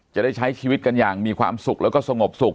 จะได้ใช้ชีวิตกันอย่างมีความสุขแล้วก็สงบสุข